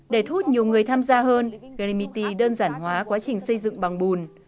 để thu hút nhiều người tham gia hơn galimity đơn giản hóa quá trình xây dựng bằng bùn